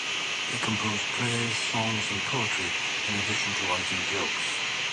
He composed plays, songs, and poetry, in addition to writing jokes.